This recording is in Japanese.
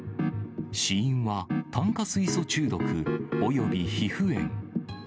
死因は、炭化水素中毒および皮膚炎。